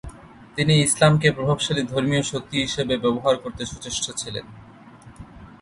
তিনি ইসলাম কে প্রভাবশালী ধর্মীয় শক্তি হিসাবে ব্যবহার করতে সচেষ্ট ছিলেন।